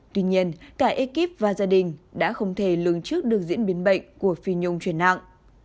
tuy nhiên cả ekip và gia đình đã không thể lường trước được diễn biến bệnh của phi nhung truyền nặng